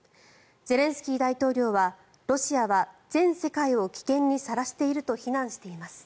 ゼレンスキー大統領はロシアは全世界を危険にさらしていると非難しています。